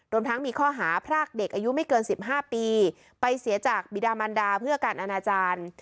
รวมทั้งมีข้อหาพรากเด็กอายุไม่เกิน๑๕ปีไปเสียจากบิดามันดาเพื่อการอนาจารย์